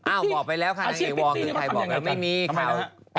อ้าวบอกไปแล้วค่ะอาชีพพิตตี้นี่ก็ทำยังไงกัน